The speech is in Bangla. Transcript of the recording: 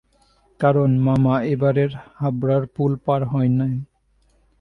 কারণ, মামা এবারেও হাবড়ার পুল পার হন নাই।